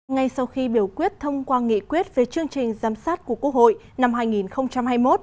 ngay sau khi biểu quyết thông qua nghị quyết về chương trình giám sát của quốc hội năm hai nghìn hai mươi một